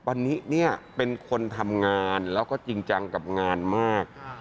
วันนี้เนี่ยเป็นคนทำงานแล้วก็จริงจังกับงานมาก